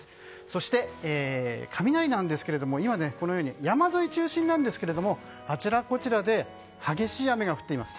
そして、雷ですが今山沿いを中心ですがあちらこちらで激しい雨が降っています。